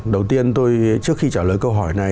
đầu tiên tôi trước khi trả lời câu hỏi này